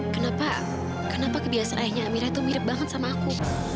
kenapa kenapa kebiasaannya amirah itu mirip banget sama aku